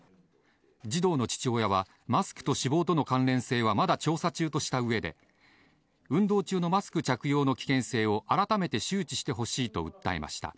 児童の父親は、マスクと死亡との関連性はまだ調査中としたうえで、運動中のマスク着用の危険性を改めて周知してほしいと訴えました。